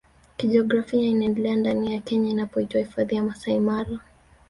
kijiografia inaendelea ndani ya Kenya inapoitwa hifadhi ya Masai Mara